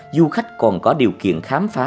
du khách còn có điều kiện khám phá